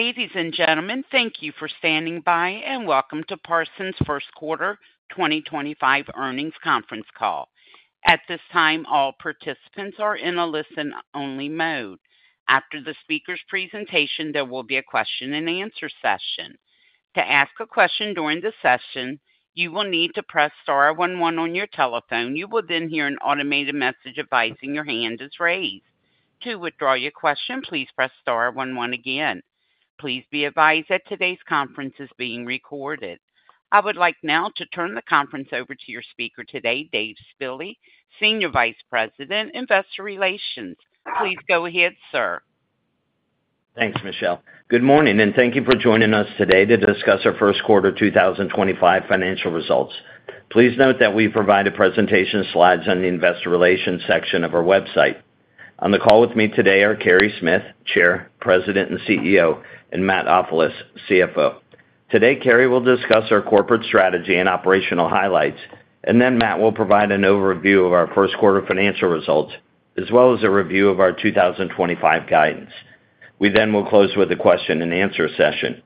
Ladies and gentlemen, thank you for standing by and welcome to Parsons First Quarter 2025 Earnings Conference Call. At this time, all participants are in a listen-only mode. After the speaker's presentation, there will be a question-and-answer session. To ask a question during the session, you will need to press star one one your telephone. You will then hear an automated message advising your hand is raised. To withdraw your question, please press star one one again. Please be advised that today's conference is being recorded. I would like now to turn the conference over to your speaker today, Dave Spille, Senior Vice President, Investor Relations. Please go ahead, sir. Thanks, Michelle. Good morning, and thank you for joining us today to discuss our First Quarter 2025 financial results. Please note that we provide presentation slides on the Investor Relations section of our website. On the call with me today are Carey Smith, Chair, President and CEO, and Matt Ofilos, CFO. Today, Carey will discuss our corporate strategy and operational highlights, and then Matt will provide an overview of our First Quarter Financial Results as well as a Review of our 2025 Guidance. We then will close with a question-and-answer session.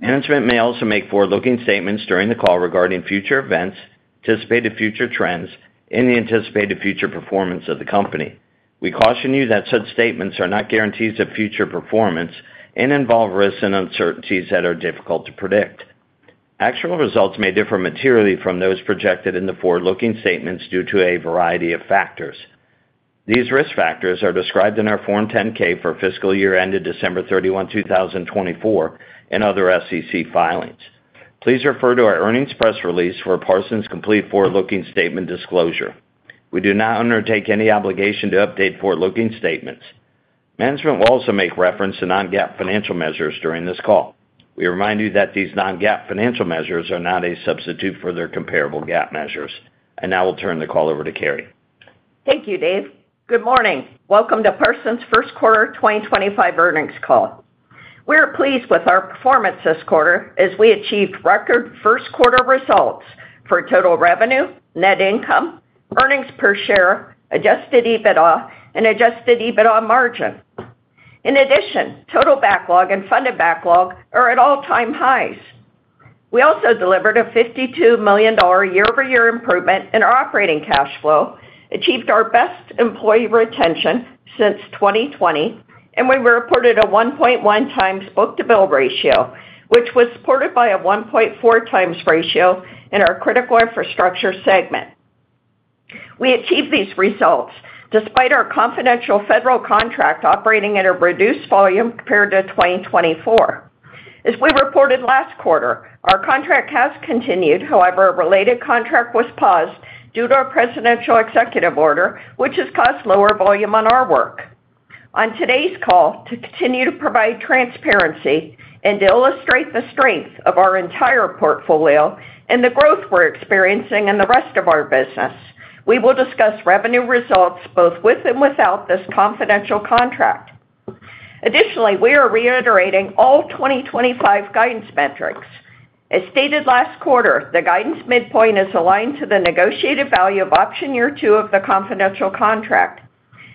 Management may also make forward-looking statements during the call regarding future events, anticipated future trends, and the anticipated future performance of the company. We caution you that such statements are not guarantees of future performance and involve risks and uncertainties that are difficult to predict. Actual results may differ materially from those projected in the forward-looking statements due to a variety of factors. These risk factors are described in our Form 10-K for fiscal year ended December 31, 2024, and other SEC filings. Please refer to our earnings press release for Parsons' complete forward-looking statement disclosure. We do not undertake any obligation to update forward-looking statements. Management will also make reference to non-GAAP financial measures during this call. We remind you that these non-GAAP financial measures are not a substitute for their comparable GAAP measures. Now we'll turn the call over to Carey. Thank you, Dave. Good morning. Welcome to Parsons First Quarter 2025 Earnings Call. We're pleased with our performance this quarter as we achieved record first quarter results for total revenue, net income, earnings per share, adjusted EBITDA, and adjusted EBITDA margin. In addition, total backlog and funded backlog are at all-time highs. We also delivered a $52 million year-over-year improvement in our operating cash flow, achieved our best employee retention since 2020, and we reported a 1.1 times book-to-bill ratio, which was supported by a 1.4 times ratio in our critical infrastructure segment. We achieved these results despite our confidential federal contract operating at a reduced volume compared to 2024. As we reported last quarter, our contract has continued; however, a related contract was paused due to a presidential executive order, which has caused lower volume on our work. On today's call, to continue to provide transparency and to illustrate the strength of our entire portfolio and the growth we're experiencing in the rest of our business, we will discuss revenue results both with and without this confidential contract. Additionally, we are reiterating all 2025 guidance metrics. As stated last quarter, the guidance midpoint is aligned to the negotiated value of option year two of the confidential contract.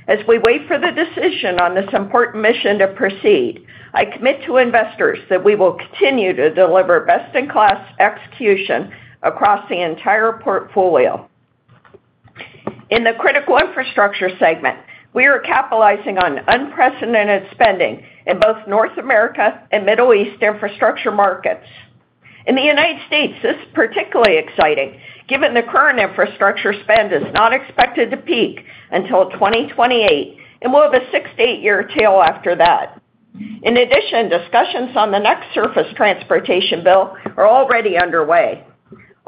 As we wait for the decision on this important mission to proceed, I commit to investors that we will continue to deliver best-in-class execution across the entire portfolio. In the critical infrastructure segment, we are capitalizing on unprecedented spending in both North America and Middle East infrastructure markets. In the United States, this is particularly exciting given the current infrastructure spend is not expected to peak until 2028 and will have a six- to eight-year tail after that. In addition, discussions on the next surface transportation bill are already underway.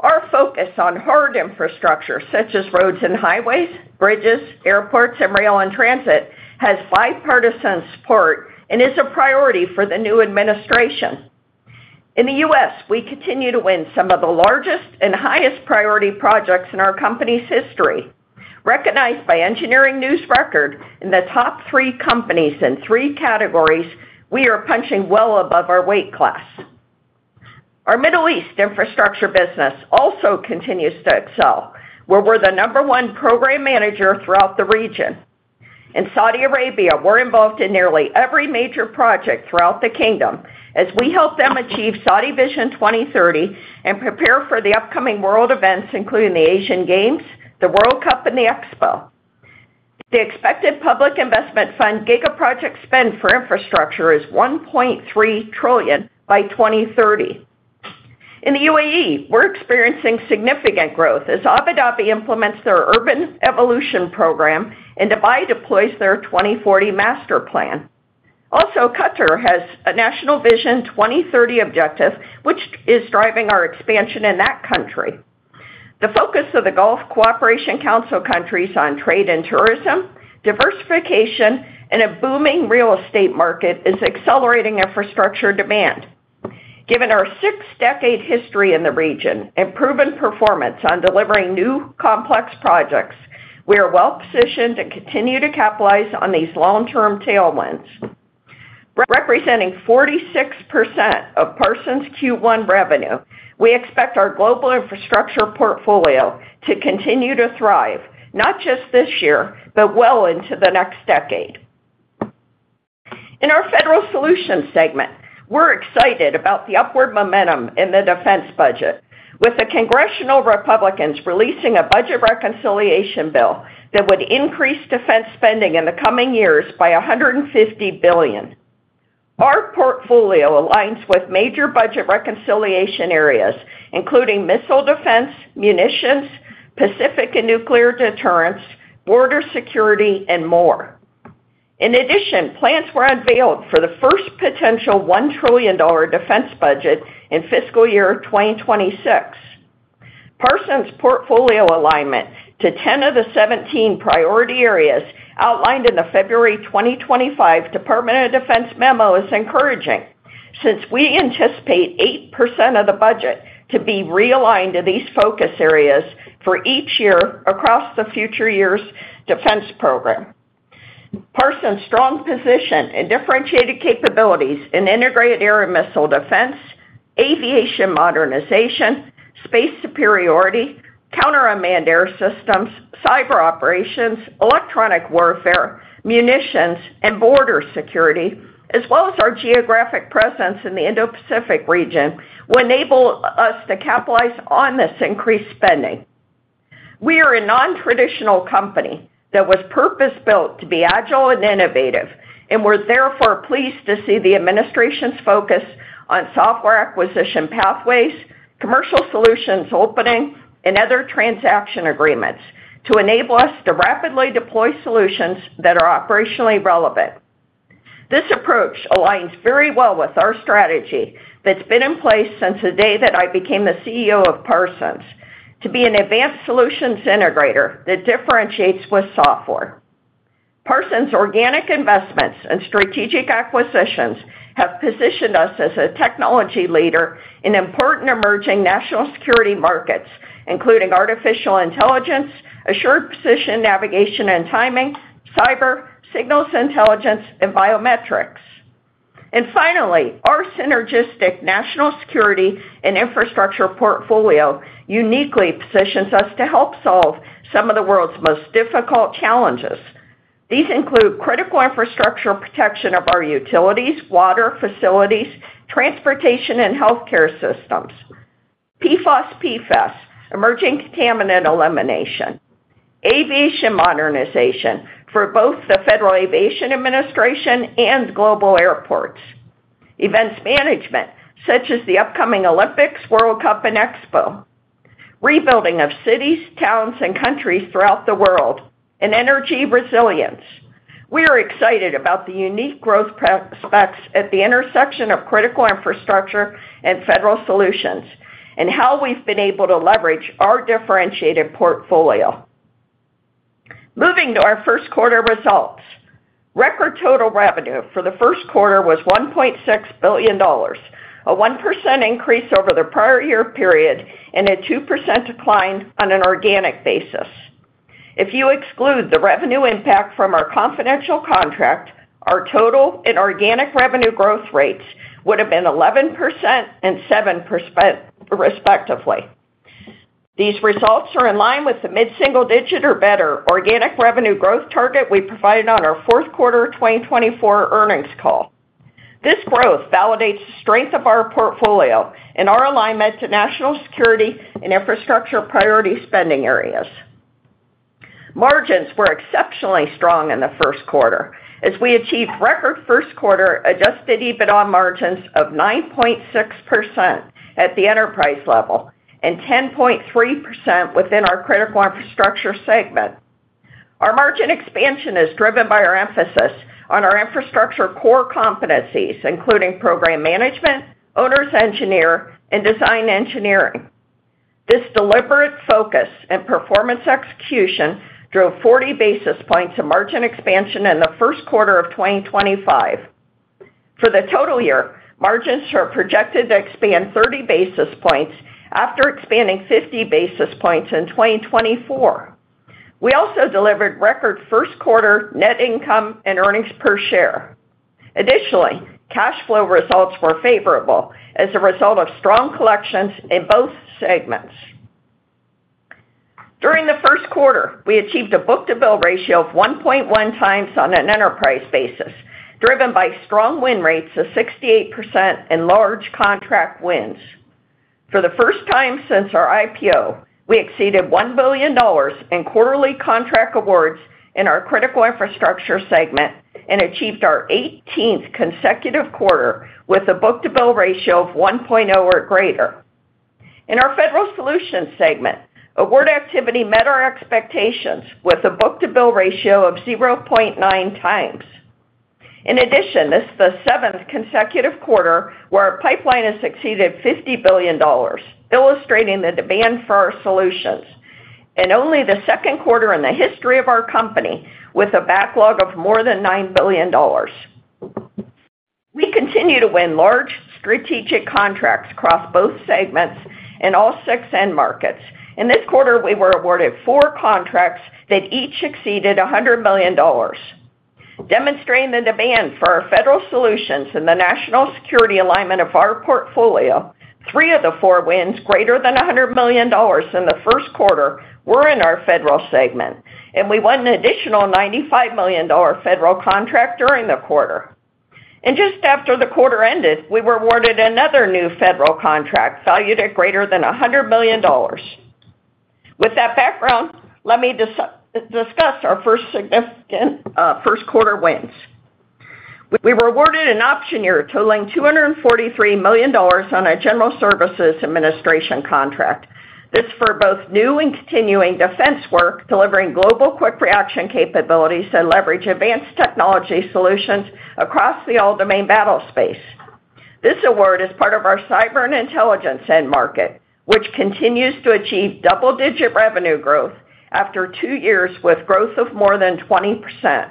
Our focus on hard infrastructure such as roads and highways, bridges, airports, and rail and transit has bipartisan support and is a priority for the new administration. In the U.S., we continue to win some of the largest and highest priority projects in our company's history. Recognized by Engineering News Record in the top three companies in three categories, we are punching well above our weight class. Our Middle East infrastructure business also continues to excel, where we're the number one program manager throughout the region. In Saudi Arabia, we're involved in nearly every major project throughout the kingdom as we help them achieve Saudi Vision 2030 and prepare for the upcoming world events, including the Asian Games, the World Cup, and the Expo. The expected Public Investment Fund Giga Project spend for infrastructure is $1.3 trillion by 2030. In the UAE, we're experiencing significant growth as Abu Dhabi implements their urban evolution program and Dubai deploys their 2040 master plan. Also, Qatar has a National Vision 2030 objective, which is driving our expansion in that country. The focus of the Gulf Cooperation Council countries on trade and tourism, diversification, and a booming real estate market is accelerating infrastructure demand. Given our six-decade history in the region and proven performance on delivering new complex projects, we are well positioned and continue to capitalize on these long-term tailwinds. Representing 46% of Parsons Q1 revenue, we expect our global infrastructure portfolio to continue to thrive, not just this year, but well into the next decade. In our federal solutions segment, we're excited about the upward momentum in the defense budget, with the Congressional Republicans releasing a budget reconciliation bill that would increase defense spending in the coming years by $150 billion. Our portfolio aligns with major budget reconciliation areas, including missile defense, munitions, Pacific and nuclear deterrence, border security, and more. In addition, plans were unveiled for the first potential $1 trillion defense budget in fiscal year 2026. Parsons' portfolio alignment to 10 of the 17 priority areas outlined in the February 2025 Department of Defense memo is encouraging since we anticipate 8% of the budget to be realigned to these focus areas for each year across the future year's defense program. Parsons' strong position and differentiated capabilities in integrated air and missile defense, aviation modernization, space superiority, counter-unmanned air systems, cyber operations, electronic warfare, munitions, and border security, as well as our geographic presence in the Indo-Pacific region, will enable us to capitalize on this increased spending. We are a non-traditional company that was purpose-built to be agile and innovative, and we're therefore pleased to see the administration's focus on software acquisition pathways, commercial solutions opening, and other transaction agreements to enable us to rapidly deploy solutions that are operationally relevant. This approach aligns very well with our strategy that's been in place since the day that I became the CEO of Parsons to be an advanced solutions integrator that differentiates with software. Parsons' organic investments and strategic acquisitions have positioned us as a technology leader in important emerging national security markets, including artificial intelligence, assured positioning, navigation, and timing, cyber, signals intelligence, and biometrics. Our synergistic national security and infrastructure portfolio uniquely positions us to help solve some of the world's most difficult challenges. These include critical infrastructure protection of our utilities, water facilities, transportation, and healthcare systems. PFAS, PFAS, emerging contaminant elimination, aviation modernization for both the Federal Aviation Administration and global airports. Events management, such as the upcoming Olympics, World Cup, and Expo. Rebuilding of cities, towns, and countries throughout the world, and energy resilience. We are excited about the unique growth prospects at the intersection of critical infrastructure and federal solutions and how we've been able to leverage our differentiated portfolio. Moving to our first quarter results, record total revenue for the first quarter was $1.6 billion, a 1% increase over the prior year period and a 2% decline on an organic basis. If you exclude the revenue impact from our confidential contract, our total and organic revenue growth rates would have been 11% and 7% respectively. These results are in line with the mid-single digit or better organic revenue growth target we provided on our fourth quarter 2024 earnings call. This growth validates the strength of our portfolio and our alignment to national security and infrastructure priority spending areas. Margins were exceptionally strong in the first quarter as we achieved record first quarter adjusted EBITDA margins of 9.6% at the enterprise level and 10.3% within our critical infrastructure segment. Our margin expansion is driven by our emphasis on our infrastructure core competencies, including program management, owner's engineer, and design engineering. This deliberate focus and performance execution drove 40 basis points of margin expansion in the first quarter of 2025. For the total year, margins are projected to expand 30 basis points after expanding 50 basis points in 2024. We also delivered record first quarter net income and earnings per share. Additionally, cash flow results were favorable as a result of strong collections in both segments. During the first quarter, we achieved a book-to-bill ratio of 1.1 times on an enterprise basis, driven by strong win rates of 68% and large contract wins. For the first time since our IPO, we exceeded $1 billion in quarterly contract awards in our critical infrastructure segment and achieved our 18th consecutive quarter with a book-to-bill ratio of 1.0 or greater. In our federal solutions segment, award activity met our expectations with a book-to-bill ratio of 0.9 times. In addition, this is the seventh consecutive quarter where our pipeline has exceeded $50 billion, illustrating the demand for our solutions, and only the second quarter in the history of our company with a backlog of more than $9 billion. We continue to win large strategic contracts across both segments in all six end markets. In this quarter, we were awarded four contracts that each exceeded $100 million, demonstrating the demand for our federal solutions and the national security alignment of our portfolio. Three of the four wins greater than $100 million in the first quarter were in our federal segment, and we won an additional $95 million federal contract during the quarter. Just after the quarter ended, we were awarded another new federal contract valued at greater than $100 million. With that background, let me discuss our first significant first quarter wins. We were awarded an option year totaling $243 million on a General Services Administration contract. This is for both new and continuing defense work, delivering global quick reaction capabilities that leverage advanced technology solutions across the all-domain battlespace. This award is part of our cyber and intelligence end market, which continues to achieve double-digit revenue growth after two years with growth of more than 20%.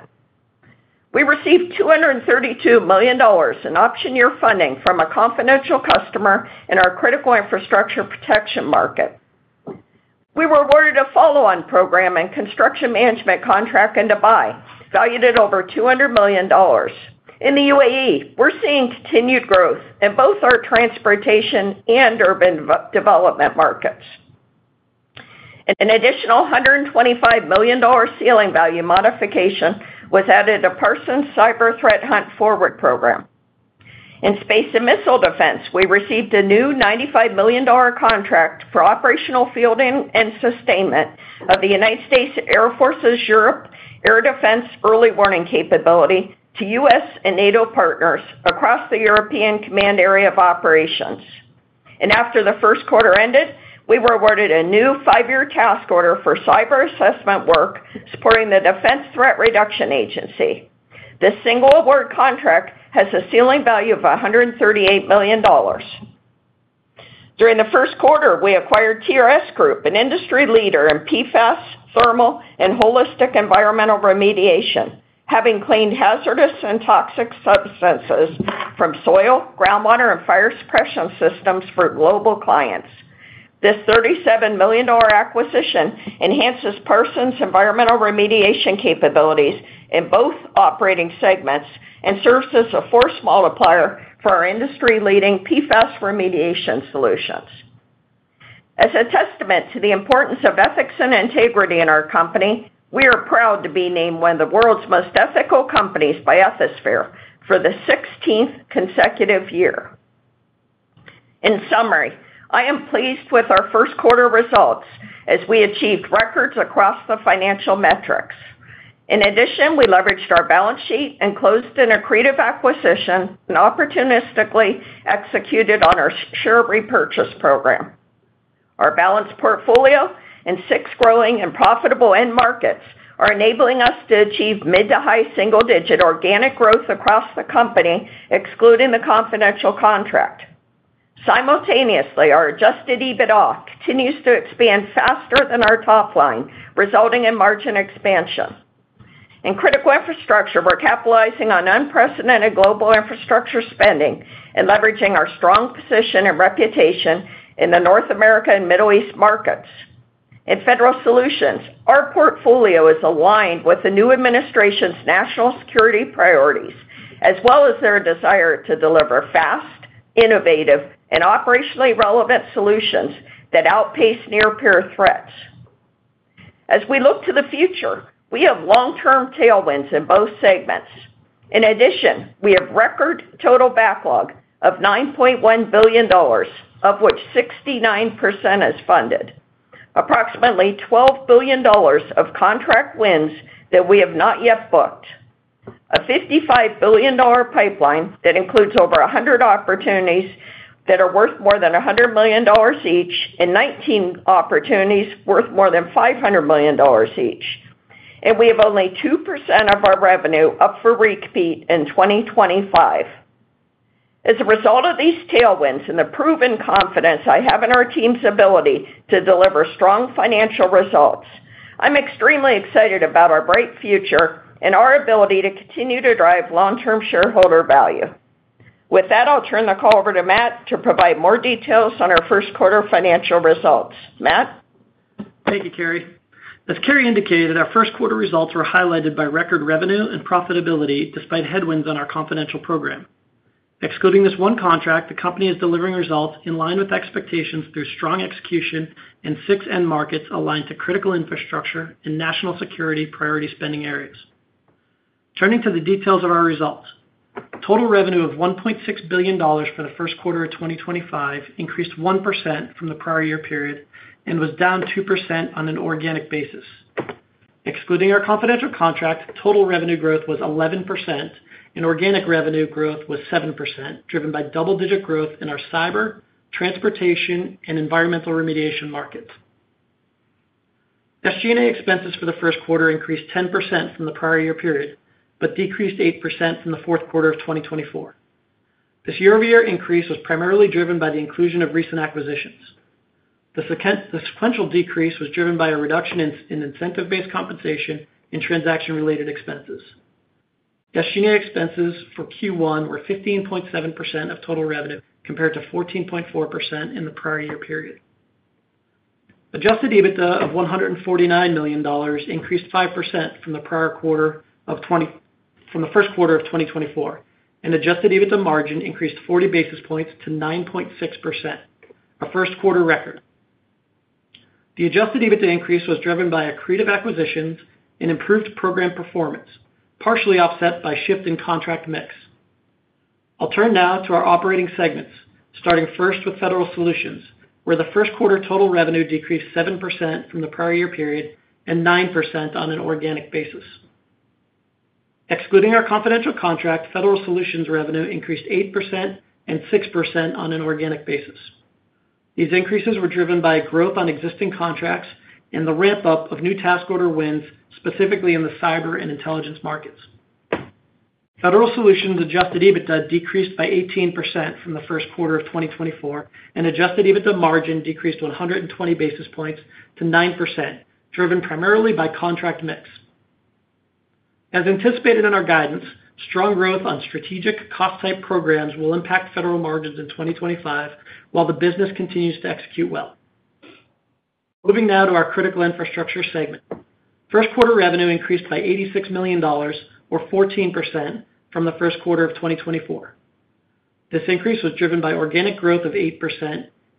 We received $232 million in option year funding from a confidential customer in our critical infrastructure protection market. We were awarded a follow-on program and construction management contract in Dubai valued at over $200 million. In the United Arab Emirates, we're seeing continued growth in both our transportation and urban development markets. An additional $125 million ceiling value modification was added to Parsons Cyber Threat Hunt Forward program. In space and missile defense, we received a new $95 million contract for operational fielding and sustainment of the United States Air Force's Europe Air Defense early warning capability to US and NATO partners across the European command area of operations. After the first quarter ended, we were awarded a new five-year task order for cyber assessment work supporting the Defense Threat Reduction Agency. This single award contract has a ceiling value of $138 million. During the first quarter, we acquired TRS Group, an industry leader in PFAS, thermal, and holistic environmental remediation, having cleaned hazardous and toxic substances from soil, groundwater, and fire suppression systems for global clients. This $37 million acquisition enhances Parsons' environmental remediation capabilities in both operating segments and serves as a force multiplier for our industry-leading PFAS remediation solutions. As a testament to the importance of ethics and integrity in our company, we are proud to be named one of the world's most ethical companies by Ethisphere for the 16th consecutive year. In summary, I am pleased with our first quarter results as we achieved records across the financial metrics. In addition, we leveraged our balance sheet and closed in a creative acquisition and opportunistically executed on our share repurchase program. Our balanced portfolio and six growing and profitable end markets are enabling us to achieve mid to high single-digit organic growth across the company, excluding the confidential contract. Simultaneously, our adjusted EBITDA continues to expand faster than our top line, resulting in margin expansion. In critical infrastructure, we're capitalizing on unprecedented global infrastructure spending and leveraging our strong position and reputation in the North America and Middle East markets. In federal solutions, our portfolio is aligned with the new administration's national security priorities, as well as their desire to deliver fast, innovative, and operationally relevant solutions that outpace near-peer threats. As we look to the future, we have long-term tailwinds in both segments. In addition, we have record total backlog of $9.1 billion, of which 69% is funded. Approximately $12 billion of contract wins that we have not yet booked. A $55 billion pipeline that includes over 100 opportunities that are worth more than $100 million each and 19 opportunities worth more than $500 million each. We have only 2% of our revenue up for repeat in 2025. As a result of these tailwinds and the proven confidence I have in our team's ability to deliver strong financial results, I'm extremely excited about our bright future and our ability to continue to drive long-term shareholder value. With that, I'll turn the call over to Matt to provide more details on our first quarter financial results. Matt. Thank you, Carey. As Carey indicated, our first quarter results were highlighted by record revenue and profitability despite headwinds on our confidential program. Excluding this one contract, the company is delivering results in line with expectations through strong execution and six end markets aligned to critical infrastructure and national security priority spending areas. Turning to the details of our results, total revenue of $1.6 billion for the first quarter of 2025 increased 1% from the prior year period and was down 2% on an organic basis. Excluding our confidential contract, total revenue growth was 11% and organic revenue growth was 7%, driven by double-digit growth in our cyber, transportation, and environmental remediation markets. SG&A expenses for the first quarter increased 10% from the prior year period, but decreased 8% from the fourth quarter of 2024. This year-over-year increase was primarily driven by the inclusion of recent acquisitions. The sequential decrease was driven by a reduction in incentive-based compensation and transaction-related expenses. SG&A expenses for Q1 were 15.7% of total revenue compared to 14.4% in the prior year period. Adjusted EBITDA of $149 million increased 5% from the prior quarter of 2024, and adjusted EBITDA margin increased 40 basis points to 9.6%, a first quarter record. The adjusted EBITDA increase was driven by accretive acquisitions and improved program performance, partially offset by shift in contract mix. I'll turn now to our operating segments, starting first with federal solutions, where the first quarter total revenue decreased 7% from the prior year period and 9% on an organic basis. Excluding our confidential contract, federal solutions revenue increased 8% and 6% on an organic basis. These increases were driven by growth on existing contracts and the ramp-up of new task order wins, specifically in the cyber and intelligence markets. Federal solutions adjusted EBITDA decreased by 18% from the first quarter of 2024, and adjusted EBITDA margin decreased 120 basis points to 9%, driven primarily by contract mix. As anticipated in our guidance, strong growth on strategic cost-type programs will impact federal margins in 2025 while the business continues to execute well. Moving now to our critical infrastructure segment. First quarter revenue increased by $86 million, or 14%, from the first quarter of 2024. This increase was driven by organic growth of 8%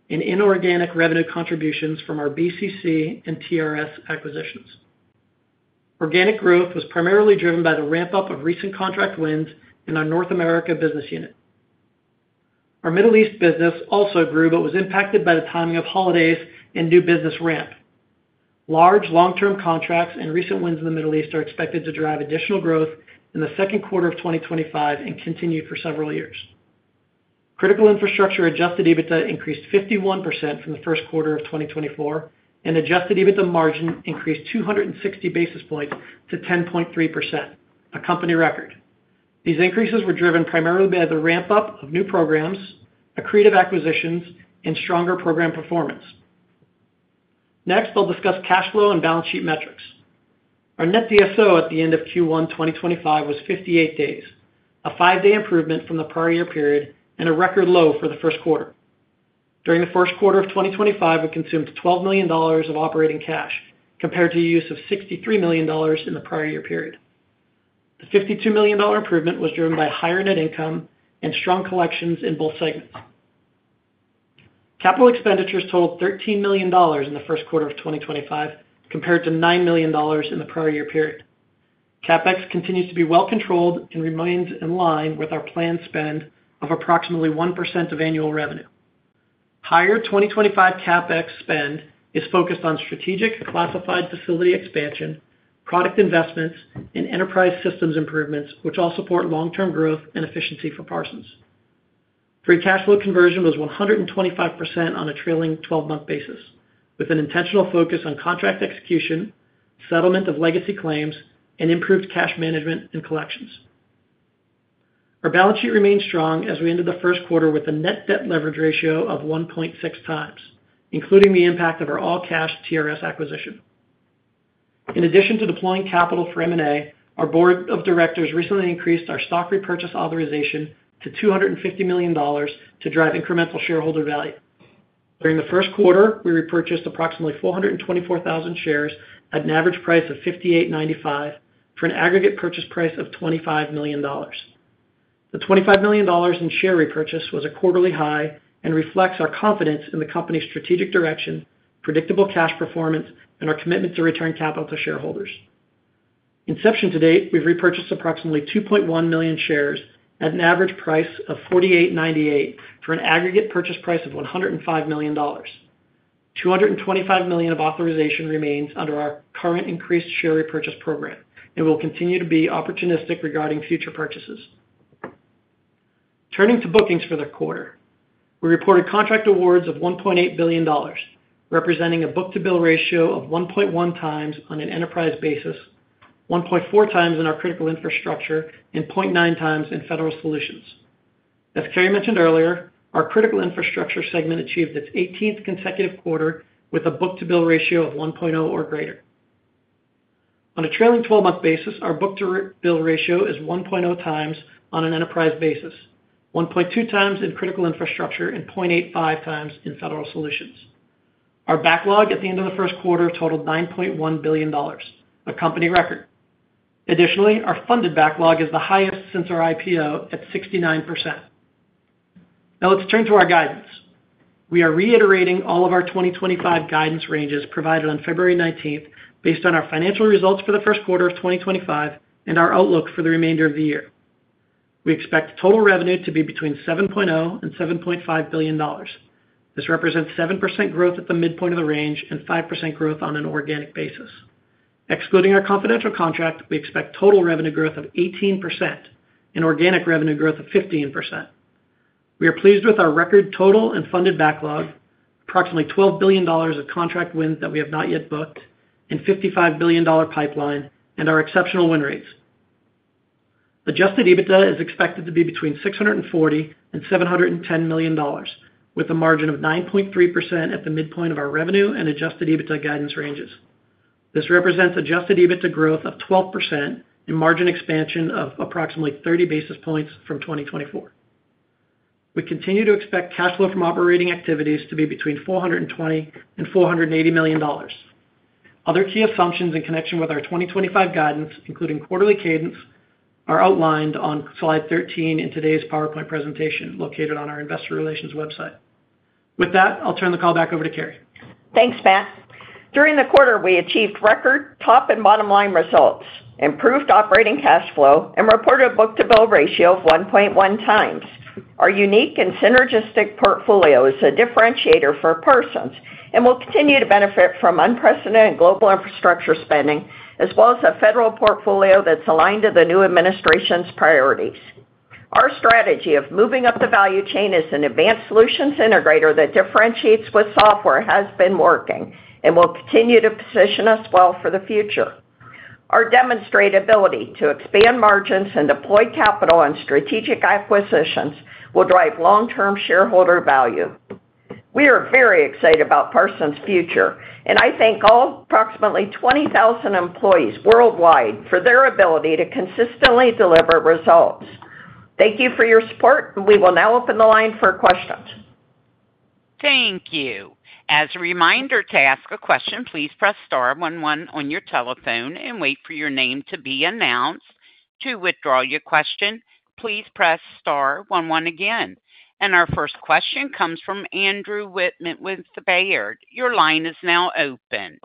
and inorganic revenue contributions from our BCC and TRS acquisitions. Organic growth was primarily driven by the ramp-up of recent contract wins in our North America business unit. Our Middle East business also grew but was impacted by the timing of holidays and new business ramp. Large long-term contracts and recent wins in the Middle East are expected to drive additional growth in the second quarter of 2025 and continue for several years. Critical infrastructure adjusted EBITDA increased 51% from the first quarter of 2024, and adjusted EBITDA margin increased 260 basis points to 10.3%, a company record. These increases were driven primarily by the ramp-up of new programs, accretive acquisitions, and stronger program performance. Next, I'll discuss cash flow and balance sheet metrics. Our net DSO at the end of Q1 2025 was 58 days, a five-day improvement from the prior year period and a record low for the first quarter. During the first quarter of 2025, we consumed $12 million of operating cash compared to the use of $63 million in the prior year period. The $52 million improvement was driven by higher net income and strong collections in both segments. Capital expenditures totaled $13 million in the first quarter of 2025, compared to $9 million in the prior year period. CapEx continues to be well controlled and remains in line with our planned spend of approximately 1% of annual revenue. Higher 2025 CapEx spend is focused on strategic classified facility expansion, product investments, and enterprise systems improvements, which all support long-term growth and efficiency for Parsons. Free cash flow conversion was 125% on a trailing 12-month basis, with an intentional focus on contract execution, settlement of legacy claims, and improved cash management and collections. Our balance sheet remained strong as we ended the first quarter with a net debt leverage ratio of 1.6 times, including the impact of our all-cash TRS acquisition. In addition to deploying capital for M&A, our board of directors recently increased our stock repurchase authorization to $250 million to drive incremental shareholder value. During the first quarter, we repurchased approximately 424,000 shares at an average price of $58.95 for an aggregate purchase price of $25 million. The $25 million in share repurchase was a quarterly high and reflects our confidence in the company's strategic direction, predictable cash performance, and our commitment to return capital to shareholders. Inception to date, we've repurchased approximately 2.1 million shares at an average price of $48.98 for an aggregate purchase price of $105 million. $225 million of authorization remains under our current increased share repurchase program, and we'll continue to be opportunistic regarding future purchases. Turning to bookings for the quarter, we reported contract awards of $1.8 billion, representing a book-to-bill ratio of 1.1 times on an enterprise basis, 1.4 times in our critical infrastructure, and 0.9 times in federal solutions. As Carey mentioned earlier, our critical infrastructure segment achieved its 18th consecutive quarter with a book-to-bill ratio of 1.0 or greater. On a trailing 12-month basis, our book-to-bill ratio is 1.0 times on an enterprise basis, 1.2 times in critical infrastructure, and 0.85 times in federal solutions. Our backlog at the end of the first quarter totaled $9.1 billion, a company record. Additionally, our funded backlog is the highest since our IPO at 69%. Now let's turn to our guidance. We are reiterating all of our 2025 guidance ranges provided on February 19th based on our financial results for the first quarter of 2025 and our outlook for the remainder of the year. We expect total revenue to be between $7.0 billion and $7.5 billion. This represents 7% growth at the midpoint of the range and 5% growth on an organic basis. Excluding our confidential contract, we expect total revenue growth of 18% and organic revenue growth of 15%. We are pleased with our record total and funded backlog, approximately $12 billion of contract wins that we have not yet booked, and $55 billion pipeline, and our exceptional win rates. Adjusted EBITDA is expected to be between $640 million and $710 million, with a margin of 9.3% at the midpoint of our revenue and adjusted EBITDA guidance ranges. This represents adjusted EBITDA growth of 12% and margin expansion of approximately 30 basis points from 2024. We continue to expect cash flow from operating activities to be between $420 million and $480 million. Other key assumptions in connection with our 2025 guidance, including quarterly cadence, are outlined on slide 13 in today's PowerPoint presentation located on our investor relations website. With that, I'll turn the call back over to Carey. Thanks, Matt. During the quarter, we achieved record top and bottom line results, improved operating cash flow, and reported a book-to-bill ratio of 1.1 times. Our unique and synergistic portfolio is a differentiator for Parsons and will continue to benefit from unprecedented global infrastructure spending, as well as a federal portfolio that's aligned to the new administration's priorities. Our strategy of moving up the value chain as an advanced solutions integrator that differentiates with software has been working and will continue to position us well for the future. Our demonstrated ability to expand margins and deploy capital on strategic acquisitions will drive long-term shareholder value. We are very excited about Parsons' future, and I thank all approximately 20,000 employees worldwide for their ability to consistently deliver results. Thank you for your support, and we will now open the line for questions. Thank you. As a reminder to ask a question, please press star one one on your telephone and wait for your name to be announced. To withdraw your question, please press star one one again. Our first question comes from Andrew Wittmann with Baird. Your line is now open.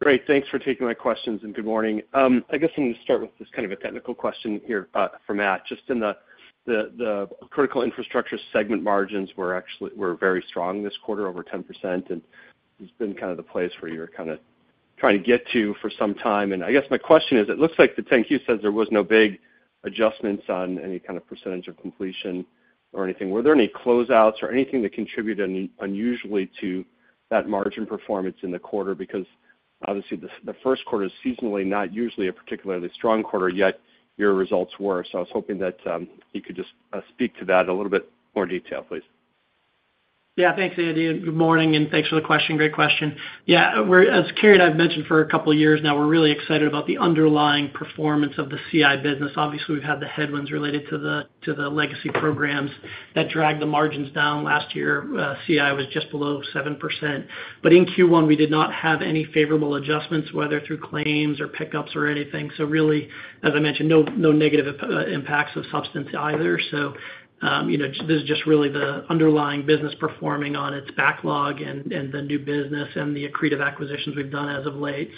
Great. Thanks for taking my questions and good morning. I guess I'm going to start with just kind of a technical question here for Matt. Just in the critical infrastructure segment margins, we're very strong this quarter, over 10%, and it's been kind of the place where you're kind of trying to get to for some time. I guess my question is, it looks like the 10Q says there was no big adjustments on any kind of percentage of completion or anything. Were there any closeouts or anything that contributed unusually to that margin performance in the quarter? Because obviously, the first quarter is seasonally not usually a particularly strong quarter, yet your results were. I was hoping that you could just speak to that a little bit more detail, please. Yeah, thanks, Andrew. Good morning, and thanks for the question. Great question. Yeah, as Carey and I have mentioned for a couple of years now, we're really excited about the underlying performance of the CI business. Obviously, we've had the headwinds related to the legacy programs that dragged the margins down. Last year, CI was just below 7%. In Q1, we did not have any favorable adjustments, whether through claims or pickups or anything. Really, as I mentioned, no negative impacts of substance either. This is just really the underlying business performing on its backlog and the new business and the accretive acquisitions we have done as of late.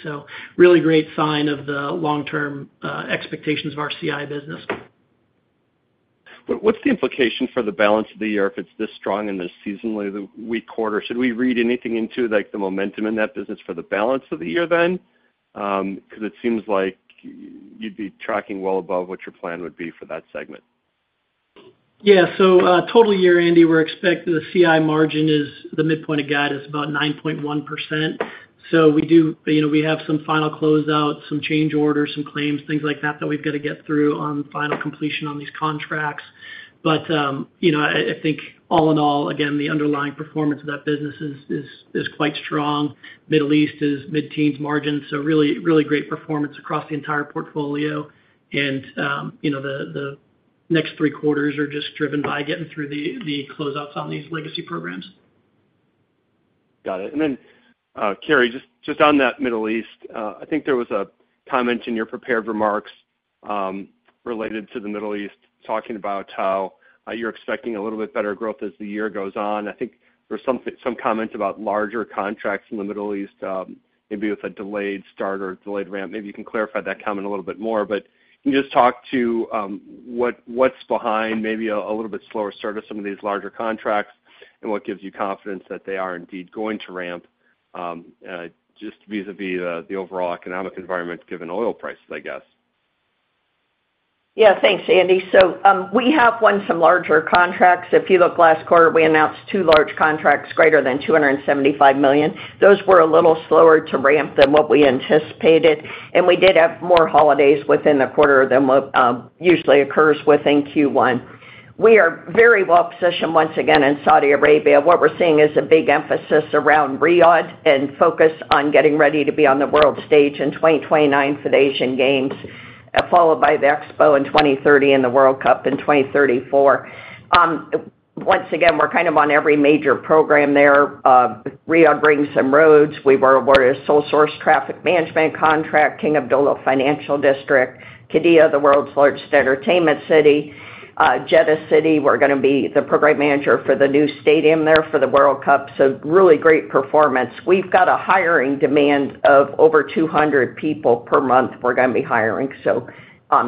Really great sign of the long-term expectations of our CI business. What's the implication for the balance of the year if it is this strong and this seasonally the weak quarter? Should we read anything into the momentum in that business for the balance of the year then? Because it seems like you would be tracking well above what your plan would be for that segment. Yeah, total year, Andrew, we are expecting the CI margin is the midpoint of guidance, about 9.1%. We do have some final closeouts, some change orders, some claims, things like that that we've got to get through on final completion on these contracts. I think all in all, again, the underlying performance of that business is quite strong. Middle East is mid-teens margin, so really great performance across the entire portfolio. The next three quarters are just driven by getting through the closeouts on these legacy programs. Got it. Then, Carey, just on that Middle East, I think there was a comment in your prepared remarks related to the Middle East, talking about how you're expecting a little bit better growth as the year goes on. I think there were some comments about larger contracts in the Middle East, maybe with a delayed start or delayed ramp. Maybe you can clarify that comment a little bit more. Can you just talk to what's behind maybe a little bit slower start of some of these larger contracts and what gives you confidence that they are indeed going to ramp just vis-à-vis the overall economic environment given oil prices, I guess? Yeah, thanks, Andrew. We have won some larger contracts. If you look last quarter, we announced two large contracts greater than $275 million. Those were a little slower to ramp than what we anticipated. We did have more holidays within the quarter than what usually occurs within Q1. We are very well positioned once again in Saudi Arabia. What we're seeing is a big emphasis around Riyadh and focus on getting ready to be on the world stage in 2029 for the Asian Games, followed by the Expo in 2030 and the World Cup in 2034. Once again, we're kind of on every major program there. Riyadh brings some roads. We were awarded a sole source traffic management contract, King Abdullah Financial District, Qiddiya, the world's largest entertainment city, Jeddah City. We're going to be the program manager for the new stadium there for the World Cup. Really great performance. We've got a hiring demand of over 200 people per month we're going to be hiring.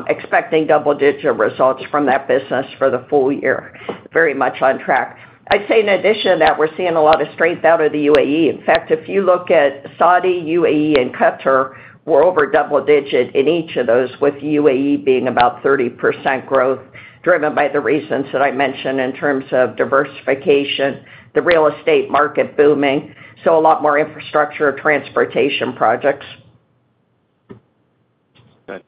Expecting double-digit results from that business for the full year. Very much on track. I'd say in addition to that, we're seeing a lot of strength out of the UAE. In fact, if you look at Saudi, UAE, and Qatar, we're over double-digit in each of those, with UAE being about 30% growth driven by the reasons that I mentioned in terms of diversification, the real estate market booming, so a lot more infrastructure or transportation projects. Good.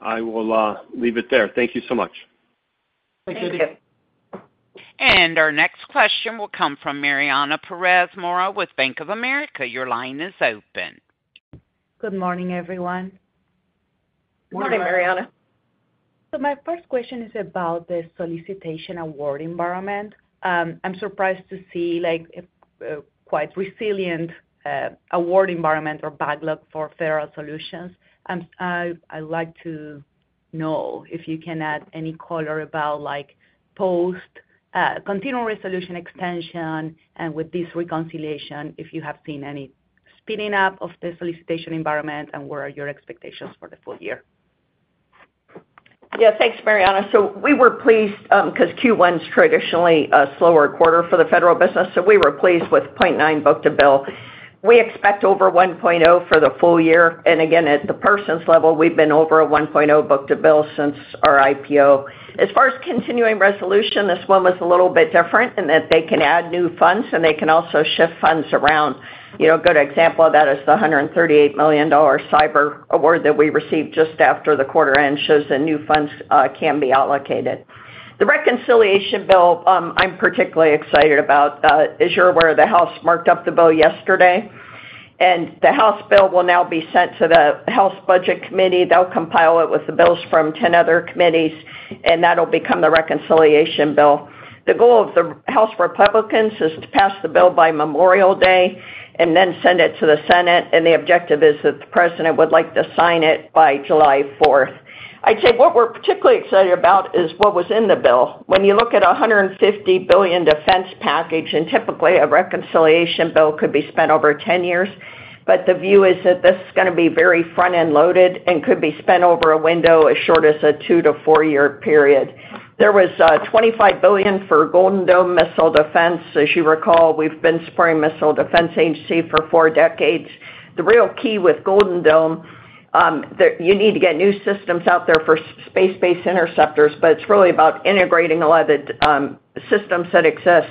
I will leave it there. Thank you so much. Thanks, Andrew. Our next question will come from Mariana Perez Mora with Bank of America. Your line is open. Good morning, everyone. Good morning, Mariana. My first question is about the solicitation award environment. I'm surprised to see quite resilient award environment or backlog for federal solutions. I'd like to know if you can add any color about post-continuing resolution extension and with this reconciliation, if you have seen any speeding up of the solicitation environment and what are your expectations for the full year. Yeah, thanks, Mariana. We were pleased because Q1 is traditionally a slower quarter for the federal business. We were pleased with 0.9 book-to-bill. We expect over 1.0 for the full year. Again, at the Parsons level, we've been over 1.0 book-to-bill since our IPO. As far as continuing resolution, this one was a little bit different in that they can add new funds and they can also shift funds around. A good example of that is the $138 million cyber award that we received just after the quarter end shows that new funds can be allocated. The reconciliation bill, I'm particularly excited about. As you're aware, the House marked up the bill yesterday. The House bill will now be sent to the House Budget Committee. They'll compile it with the bills from 10 other committees, and that'll become the reconciliation bill. The goal of the House Republicans is to pass the bill by Memorial Day and then send it to the Senate. The objective is that the President would like to sign it by July 4th. I'd say what we're particularly excited about is what was in the bill. When you look at a $150 billion defense package, and typically a reconciliation bill could be spent over 10 years, the view is that this is going to be very front-end loaded and could be spent over a window as short as a two- to four-year period. There was $25 billion for Golden Dome missile defense. As you recall, we've been supporting Missile Defense Agency for four decades. The real key with Golden Dome, you need to get new systems out there for space-based interceptors, but it's really about integrating a lot of the systems that exist.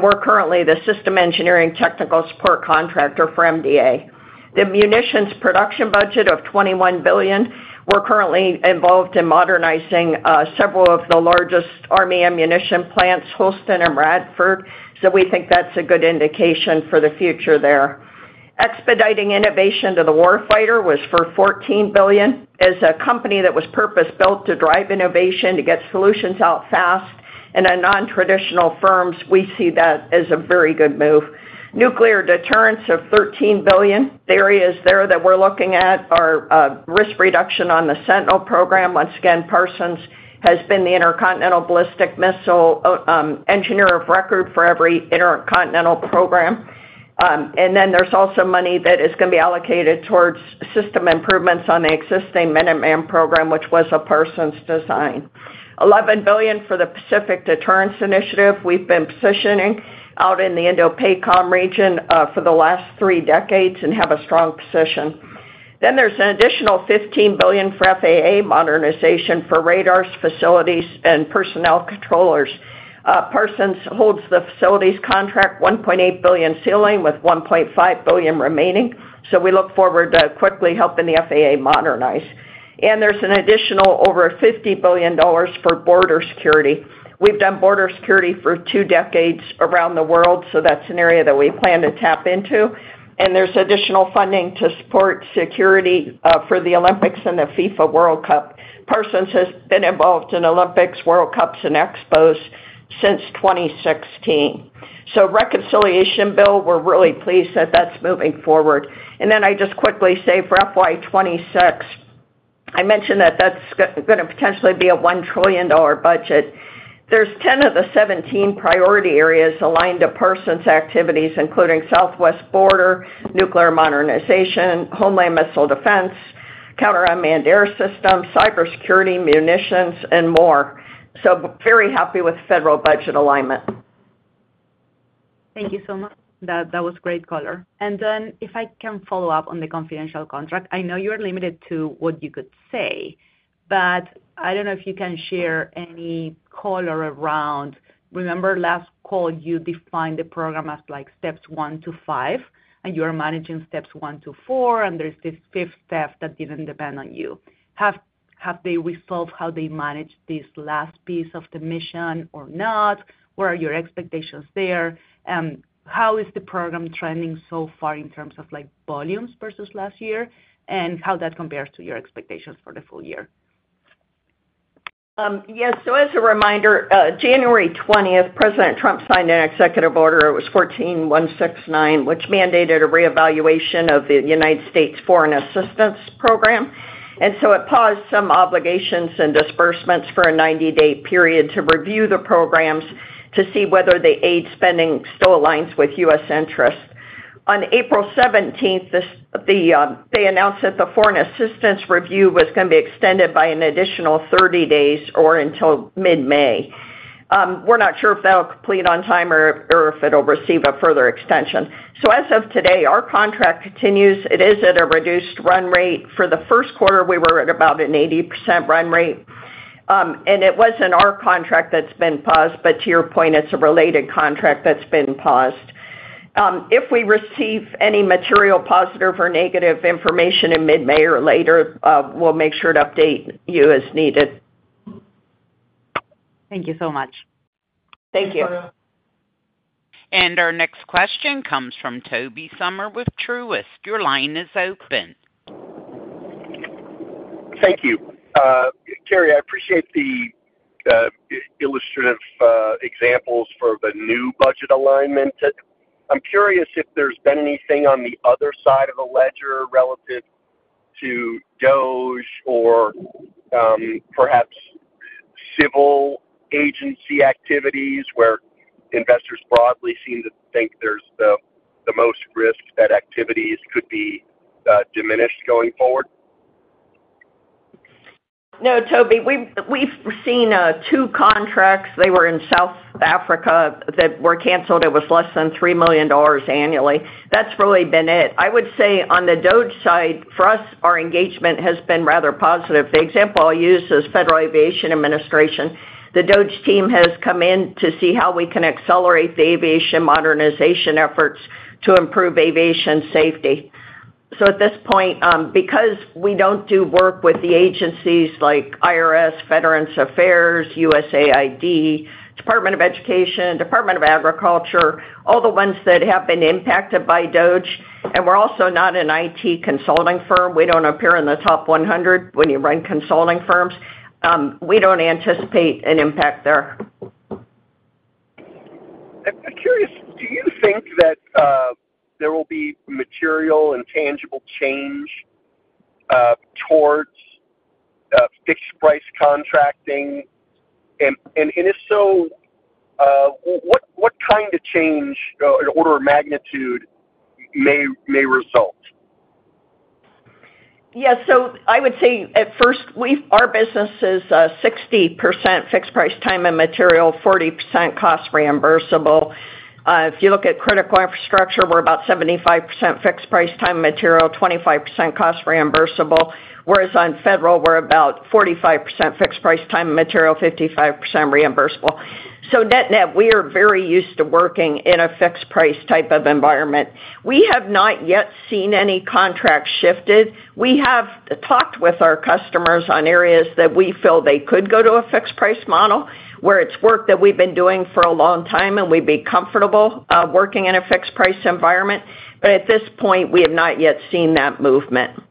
We're currently the system engineering technical support contractor for MDA. The munitions production budget of $21 billion. We're currently involved in modernizing several of the largest Army ammunition plants, Holston and Radford. We think that's a good indication for the future there. Expediting innovation to the warfighter was for $14 billion. As a company that was purpose-built to drive innovation, to get solutions out fast and on non-traditional firms, we see that as a very good move. Nuclear deterrence of $13 billion. The areas there that we're looking at are risk reduction on the Sentinel program. Once again, Parsons has been the intercontinental ballistic missile engineer of record for every intercontinental program. There is also money that is going to be allocated towards system improvements on the existing Minuteman program, which was a Parsons design. $11 billion for the Pacific Deterrence Initiative. We have been positioning out in the Indo-Pacific region for the last three decades and have a strong position. There is an additional $15 billion for FAA modernization for radars, facilities, and personnel controllers. Parsons holds the facilities contract, $1.8 billion ceiling with $1.5 billion remaining. We look forward to quickly helping the FAA modernize. There's an additional over $50 billion for border security. We've done border security for two decades around the world, so that's an area that we plan to tap into. There's additional funding to support security for the Olympics and the FIFA World Cup. Parsons has been involved in Olympics, World Cups, and Expos since 2016. The reconciliation bill, we're really pleased that that's moving forward. I just quickly say for FY2026, I mentioned that that's going to potentially be a $1 trillion budget. There are 10 of the 17 priority areas aligned to Parsons activities, including Southwest Border, nuclear modernization, homeland missile defense, counter unmanned air systems, cybersecurity, munitions, and more. Very happy with federal budget alignment. Thank you so much. That was great color. If I can follow up on the confidential contract, I know you're limited to what you could say, but I don't know if you can share any color around. Remember last call, you defined the program as steps one to five, and you're managing steps one to four, and there's this fifth step that didn't depend on you. Have they resolved how they managed this last piece of the mission or not? Where are your expectations there? How is the program trending so far in terms of volumes versus last year and how that compares to your expectations for the full year? Yes. As a reminder, January 20, President Trump signed an executive order. It was 14169, which mandated a reevaluation of the United States Foreign Assistance Program. It paused some obligations and disbursements for a 90-day period to review the programs to see whether the aid spending still aligns with U.S. interests. On April 17th, they announced that the foreign assistance review was going to be extended by an additional 30 days or until mid-May. We're not sure if that'll complete on time or if it'll receive a further extension. As of today, our contract continues. It is at a reduced run rate. For the first quarter, we were at about an 80% run rate. It wasn't our contract that's been paused, but to your point, it's a related contract that's been paused. If we receive any material positive or negative information in mid-May or later, we'll make sure to update you as needed. Thank you so much. Thank you. Our next question comes from Toby Sommer with Truist. Your line is open. Thank you. Carey, I appreciate the illustrative examples for the new budget alignment. I'm curious if there's been anything on the other side of the ledger relative to DOGE or perhaps civil agency activities where investors broadly seem to think there's the most risk that activities could be diminished going forward. No, Toby, we've seen two contracts. They were in South Africa that were canceled. It was less than $3 million annually. That's really been it. I would say on the DOGE side, for us, our engagement has been rather positive. The example I'll use is Federal Aviation Administration. The DOGE team has come in to see how we can accelerate the aviation modernization efforts to improve aviation safety. At this point, because we do not do work with agencies like IRS, Veterans Affairs, USAID, Department of Education, Department of Agriculture, all the ones that have been impacted by DOGE, and we are also not an IT consulting firm. We do not appear in the top 100 when you run consulting firms. We do not anticipate an impact there. I'm curious, do you think that there will be material and tangible change towards fixed-price contracting? If so, what kind of change, order of magnitude, may result? Yeah. I would say at first, our business is 60% fixed-price time and material, 40% cost reimbursable. If you look at critical infrastructure, we are about 75% fixed-price time and material, 25% cost reimbursable. Whereas on federal, we are about 45% fixed-price time and material, 55% reimbursable. Net-net, we are very used to working in a fixed-price type of environment. We have not yet seen any contract shifted. We have talked with our customers on areas that we feel they could go to a fixed-price model, where it's work that we've been doing for a long time, and we'd be comfortable working in a fixed-price environment. At this point, we have not yet seen that movement.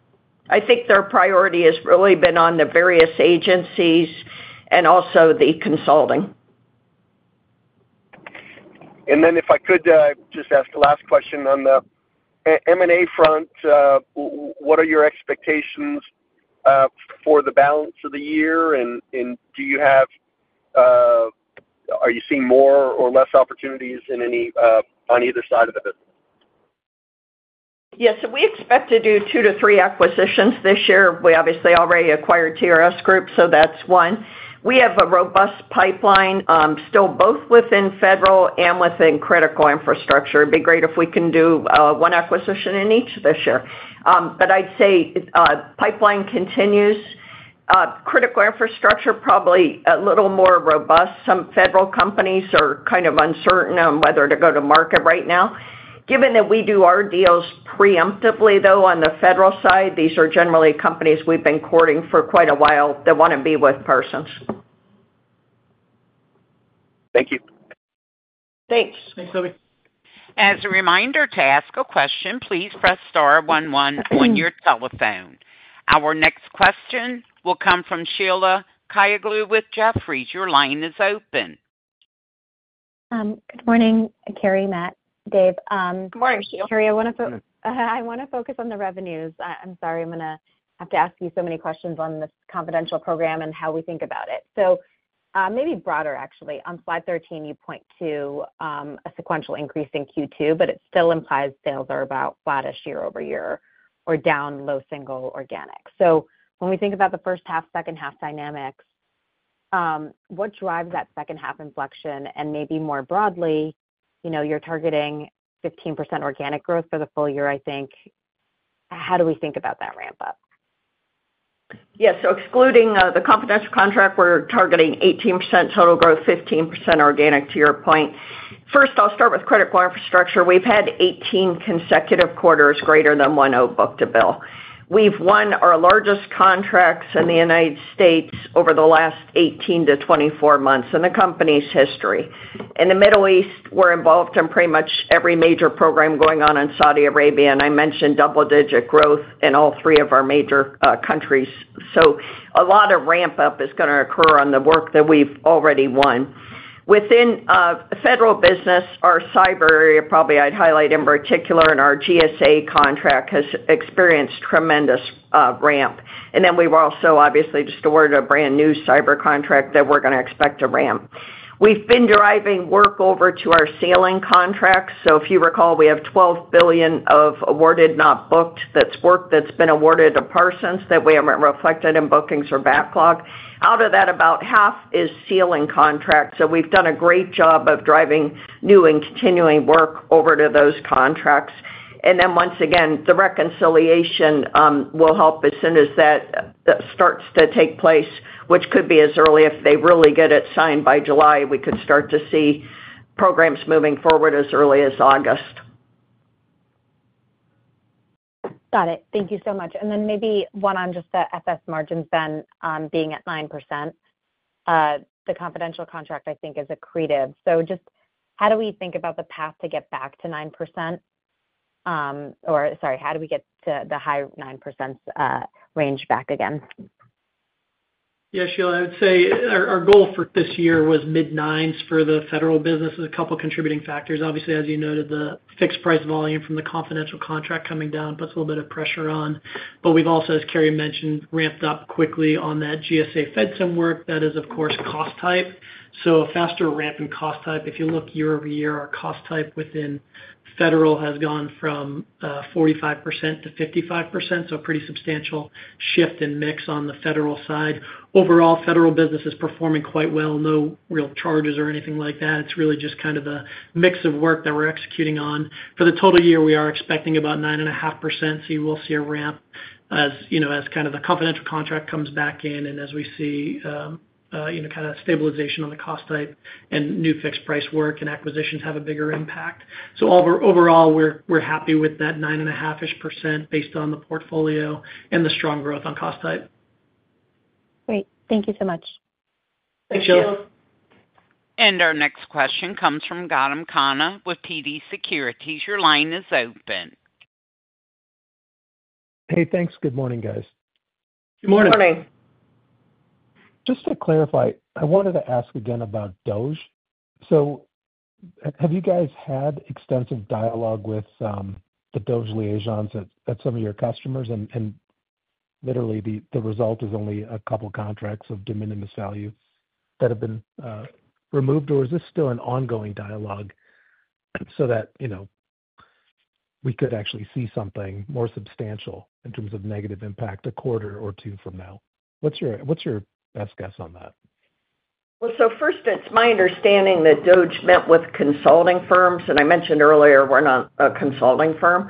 I think their priority has really been on the various agencies and also the consulting. If I could just ask the last question on the M&A front, what are your expectations for the balance of the year? Are you seeing more or less opportunities on either side of the bid? Yes. We expect to do two to three acquisitions this year. We obviously already acquired TRS Group, so that's one. We have a robust pipeline still both within federal and within critical infrastructure. It'd be great if we can do one acquisition in each this year. I'd say pipeline continues. Critical infrastructure probably a little more robust. Some federal companies are kind of uncertain on whether to go to market right now. Given that we do our deals preemptively, though, on the federal side, these are generally companies we've been courting for quite a while that want to be with Parsons. Thank you. Thanks. Thanks, Toby. As a reminder to ask a question, please press star one one on your telephone. Our next question will come from Sheila Kahyaoglu with Jefferies. Your line is open. Good morning, Carey, Matt, Dave. Good morning, Sheila. I want to focus on the revenues. I'm sorry. I'm going to have to ask you so many questions on the confidential program and how we think about it. Maybe broader, actually. On slide 13, you point to a sequential increase in Q2, but it still implies sales are about flat-ish year over year or down, low, single, organic. When we think about the first half, second half dynamics, what drives that second half inflection? Maybe more broadly, you're targeting 15% organic growth for the full year, I think. How do we think about that ramp-up? Yeah. Excluding the confidential contract, we're targeting 18% total growth, 15% organic to your point. First, I'll start with critical infrastructure. We've had 18 consecutive quarters greater than one-oh book-to-bill. We've won our largest contracts in the United States over the last 18 to 24 months in the company's history. In the Middle East, we're involved in pretty much every major program going on in Saudi Arabia. I mentioned double-digit growth in all three of our major countries. A lot of ramp-up is going to occur on the work that we've already won. Within federal business, our cyber area, probably I'd highlight in particular in our GSA contract, has experienced tremendous ramp. We were also obviously just awarded a brand new cyber contract that we're going to expect to ramp. We've been driving work over to our ceiling contracts. If you recall, we have $12 billion of awarded, not booked, that's work that's been awarded to Parsons that we haven't reflected in bookings or backlog. Out of that, about half is ceiling contracts. We've done a great job of driving new and continuing work over to those contracts. Once again, the reconciliation will help as soon as that starts to take place, which could be as early as if they really get it signed by July, we could start to see programs moving forward as early as August. Got it. Thank you so much. Maybe one on just the FS margin spend being at 9%. The confidential contract, I think, is accretive. Just how do we think about the path to get back to 9%? Or sorry, how do we get to the high 9% range back again? Yeah, Sheila, I would say our goal for this year was mid-9% for the federal businesses. A couple of contributing factors. Obviously, as you noted, the fixed-price volume from the confidential contract coming down puts a little bit of pressure on. We have also, as Carey mentioned, ramped up quickly on that GSA FedSim work. That is, of course, cost type. A faster ramp in cost type. If you look year over year, our cost type within federal has gone from 45% to 55%. A pretty substantial shift in mix on the federal side. Overall, federal business is performing quite well. No real charges or anything like that. It is really just kind of the mix of work that we are executing on. For the total year, we are expecting about 9.5%. You will see a ramp as the confidential contract comes back in and as we see stabilization on the cost type and new fixed-price work and acquisitions have a bigger impact. Overall, we are happy with that 9.5% based on the portfolio and the strong growth on cost type. Great. Thank you so much. Thank you. Our next question comes from Gautam Khanna with TD Securities. Your line is open. Hey, thanks. Good morning, guys. Good morning. Good morning. Just to clarify, I wanted to ask again about DOGE. Have you guys had extensive dialogue with the DOGE liaisons at some of your customers? Literally, the result is only a couple of contracts of diminished value that have been removed. Is this still an ongoing dialogue so that we could actually see something more substantial in terms of negative impact a quarter or two from now? What is your best guess on that? It is my understanding that DOGE met with consulting firms. I mentioned earlier, we are not a consulting firm.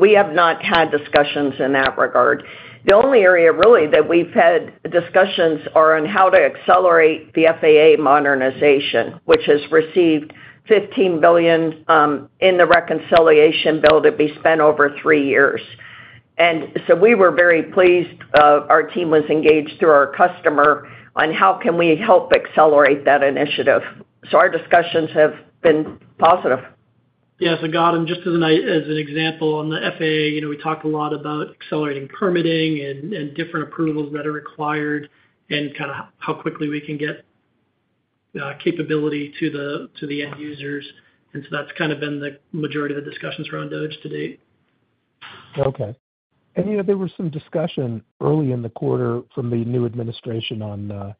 We have not had discussions in that regard. The only area really that we've had discussions are on how to accelerate the FAA modernization, which has received $15 billion in the reconciliation bill to be spent over three years. We were very pleased. Our team was engaged through our customer on how can we help accelerate that initiative. Our discussions have been positive. Yeah. Gautam, just as an example, on the FAA, we talked a lot about accelerating permitting and different approvals that are required and kind of how quickly we can get capability to the end users. That's kind of been the majority of the discussions around DOGE to date. There was some discussion early in the quarter from the new administration on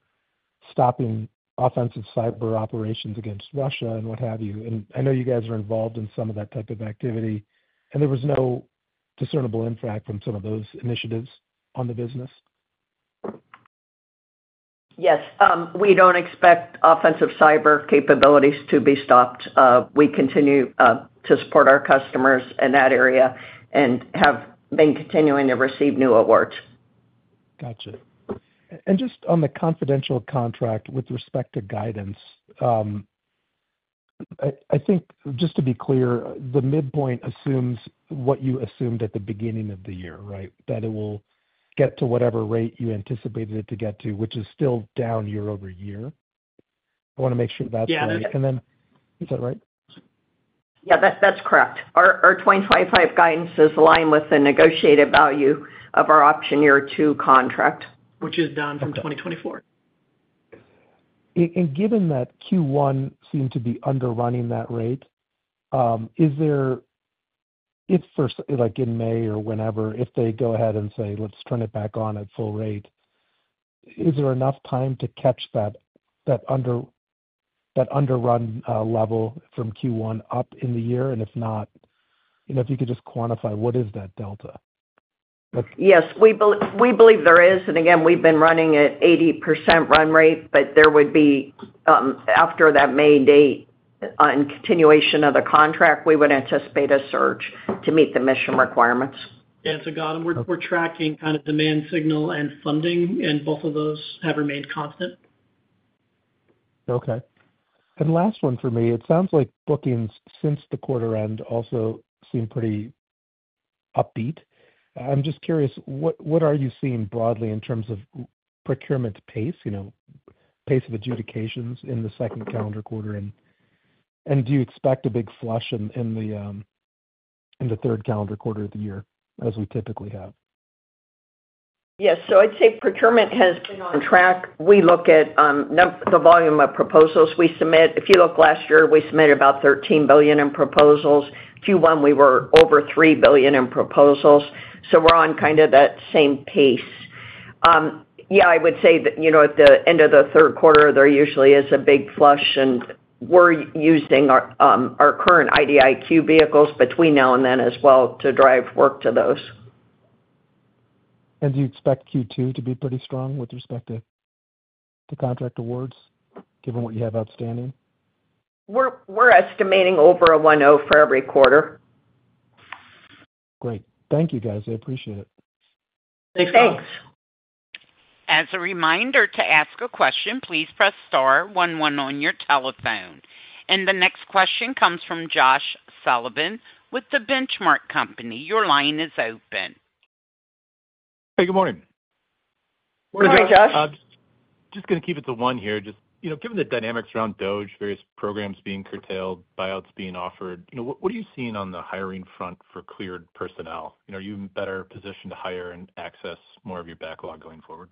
stopping offensive cyber operations against Russia and what have you. I know you guys are involved in some of that type of activity. There was no discernible impact from some of those initiatives on the business? Yes. We do not expect offensive cyber capabilities to be stopped. We continue to support our customers in that area and have been continuing to receive new awards. Gotcha. Just on the confidential contract with respect to guidance, I think just to be clear, the midpoint assumes what you assumed at the beginning of the year, right? That it will get to whatever rate you anticipated it to get to, which is still down year over year. I want to make sure that is right. Is that right? Yeah, that is correct. Our 2025 guidance is aligned with the negotiated value of our option year two contract, which is down from 2024. Given that Q1 seemed to be underrunning that rate, if in May or whenever, if they go ahead and say, "Let's turn it back on at full rate," is there enough time to catch that underrun level from Q1 up in the year? If not, if you could just quantify, what is that delta? Yes. We believe there is. Again, we've been running at 80% run rate, but there would be after that May date on continuation of the contract, we would anticipate a surge to meet the mission requirements. Gautam, we're tracking kind of demand signal and funding, and both of those have remained constant. Okay. Last one for me, it sounds like bookings since the quarter end also seem pretty upbeat. I'm just curious, what are you seeing broadly in terms of procurement pace, pace of adjudications in the second calendar quarter? Do you expect a big flush in the third calendar quarter of the year as we typically have? Yes. I'd say procurement has been on track. We look at the volume of proposals we submit. If you look last year, we submitted about $13 billion in proposals. Q1, we were over $3 billion in proposals. We're on kind of that same pace. I would say that at the end of the third quarter, there usually is a big flush. We're using our current IDIQ vehicles between now and then as well to drive work to those. Do you expect Q2 to be pretty strong with respect to contract awards, given what you have outstanding? We're estimating over a 1.0 for every quarter. Great. Thank you, guys. I appreciate it. Thanks. Thanks. As a reminder to ask a question, please press star one one on your telephone. The next question comes from Josh Sullivan with the Benchmark Company. Your line is open. Hey, good morning. Morning, Josh. Just going to keep it to one here. Just given the dynamics around DOGE, various programs being curtailed, buyouts being offered, what are you seeing on the hiring front for cleared personnel? Are you in a better position to hire and access more of your backlog going forward?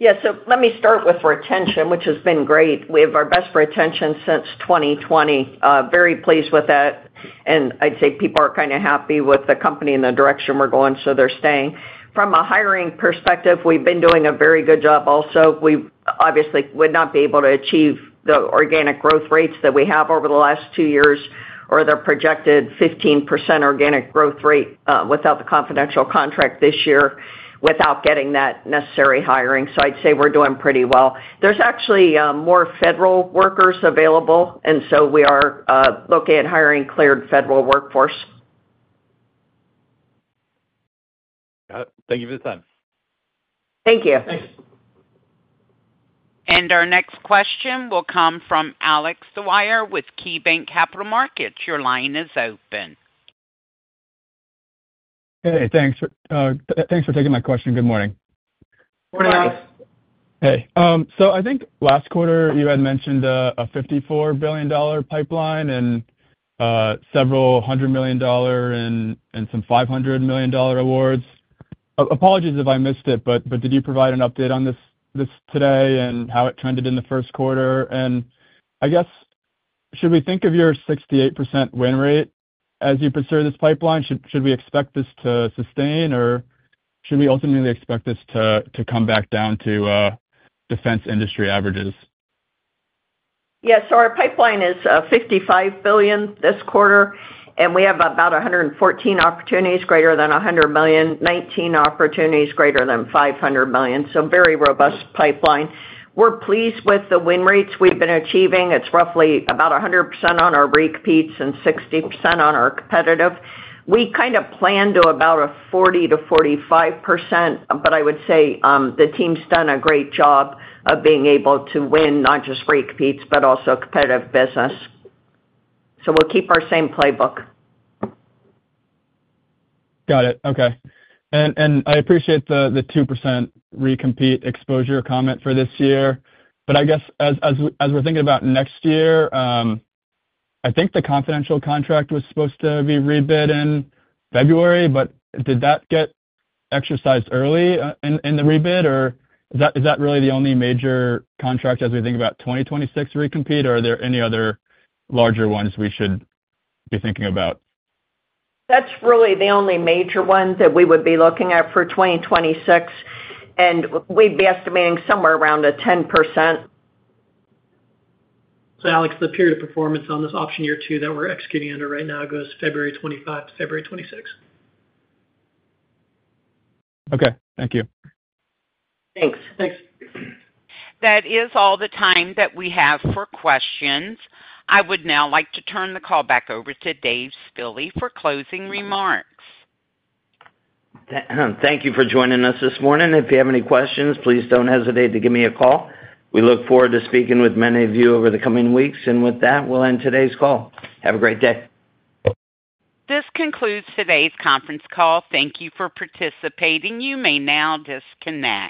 Yeah. Let me start with retention, which has been great. We have our best retention since 2020. Very pleased with that. I'd say people are kind of happy with the company and the direction we're going, so they're staying. From a hiring perspective, we've been doing a very good job also. We obviously would not be able to achieve the organic growth rates that we have over the last two years, or the projected 15% organic growth rate without the confidential contract this year without getting that necessary hiring. I'd say we're doing pretty well. There's actually more federal workers available, and we are looking at hiring cleared federal workforce. Thank you for the time. Thank you. Thanks. Our next question will come from Alex Dwyer with KeyBanc Capital Markets. Your line is open. Hey, thanks. Thanks for taking my question. Good morning. Morning, Alex. Hey. I think last quarter, you had mentioned a $54 billion pipeline and several hundred million dollars and some $500 million awards. Apologies if I missed it, but did you provide an update on this today and how it trended in the first quarter? I guess, should we think of your 68% win rate as you consider this pipeline? Should we expect this to sustain, or should we ultimately expect this to come back down to defense industry averages? Yeah. Our pipeline is $55 billion this quarter, and we have about 114 opportunities greater than $100 million, 19 opportunities greater than $500 million. Very robust pipeline. We're pleased with the win rates we've been achieving. It's roughly about 100% on our repeats and 60% on our competitive. We kind of plan to about a 40-45% range, but I would say the team's done a great job of being able to win not just repeats, but also competitive business. We'll keep our same playbook. Got it. Okay. I appreciate the 2% recompete exposure comment for this year. I guess as we're thinking about next year, I think the confidential contract was supposed to be rebid in February, but did that get exercised early in the rebid, or is that really the only major contract as we think about 2026 recompete, or are there any other larger ones we should be thinking about? That's really the only major ones that we would be looking at for 2026. We'd be estimating somewhere around a 10%. So Alex, the period of performance on this option year two that we're executing under right now goes February 2025-February 2026. Okay. Thank you. Thanks. That is all the time that we have for questions. I would now like to turn the call back over to Dave Spille for closing remarks. Thank you for joining us this morning. If you have any questions, please don't hesitate to give me a call. We look forward to speaking with many of you over the coming weeks. With that, we'll end today's call. Have a great day. This concludes today's conference call. Thank you for participating. You may now disconnect.